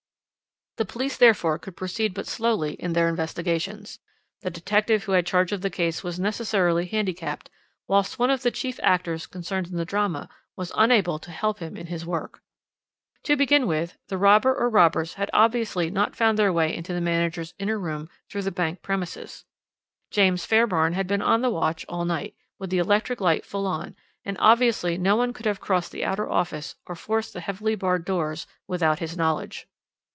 "The police therefore could proceed but slowly in their investigations. The detective who had charge of the case was necessarily handicapped, whilst one of the chief actors concerned in the drama was unable to help him in his work. "To begin with, the robber or robbers had obviously not found their way into the manager's inner room through the bank premises. James Fairbairn had been on the watch all night, with the electric light full on, and obviously no one could have crossed the outer office or forced the heavily barred doors without his knowledge.